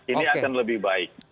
ini akan lebih baik